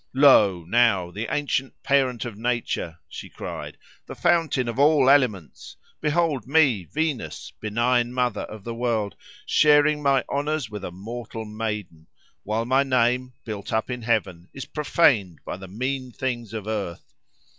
"Lo! now, the ancient parent of nature," she cried, "the fountain of all elements! Behold me, Venus, benign mother of the world, sharing my honours with a mortal maiden, while my name, built up in heaven, is profaned by the mean things of earth!